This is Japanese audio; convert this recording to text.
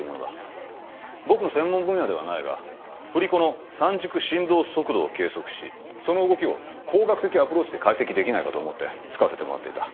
僕の専門分野ではないが振り子の３軸振動速度を計測しその動きを工学的アプローチで解析できないかと思って使わせてもらっていた。